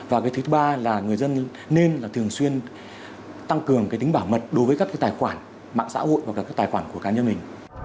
và cái thứ ba là người dân nên là thường xuyên tăng cường cái tính bảo mật đối với các cái tài khoản mạng xã hội và các tài khoản của cá nhân mình